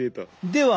では